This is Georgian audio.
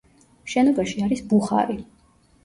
შენობაში არის ბუხარი.